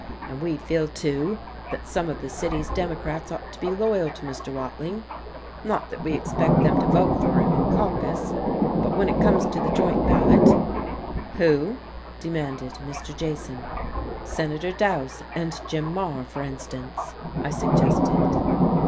And we feel, too, that some of the city's Democrats ought to be loyal to Mr. Watling, not that we expect them to vote for him in caucus, but when it comes to the joint ballot " "Who?" demanded Mr. Jason. "Senator Dowse and Jim Maher, for instance," I suggested.